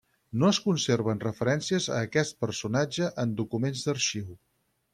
No es conserven referències a aquest personatge en documents d'arxiu.